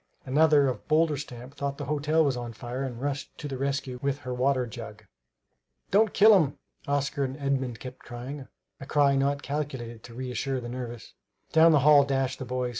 Another of bolder stamp thought the hotel was on fire and rushed to the rescue with her water jug. "Don't kill him!" Oscar and Edmund kept crying, a cry not calculated to reassure the nervous. Down the hall dashed the boys.